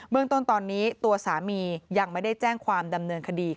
เมืองต้นตอนนี้ตัวสามียังไม่ได้แจ้งความดำเนินคดี